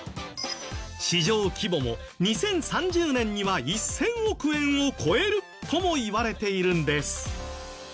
市場規模も２０３０年には１０００億円を超えるともいわれているんです。